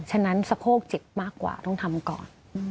ฉะนั้นสะโพกจิตมากกว่าต้องทำก่อน